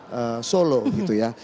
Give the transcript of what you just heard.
kesunanan di solo gitu ya